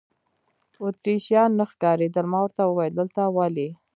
اتریشیان نه ښکارېدل، ما ورته وویل: دلته ولې.